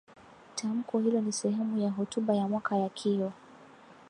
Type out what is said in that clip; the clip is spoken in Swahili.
tamko hilo ni sehemu ya hotuba ya mwaka ya kio